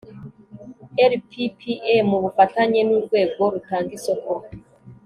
RPPA mu bufatanye n urwego rutanga isoko